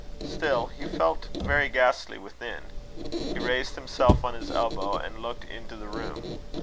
Still, he felt very ghastly within. He raised himself on his elbow, and looked into the room.